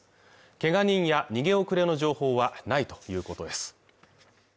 けが人や逃げ遅れの情報はないということです